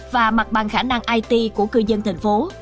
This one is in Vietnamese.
và mặt bằng khả năng it của cư dân thành phố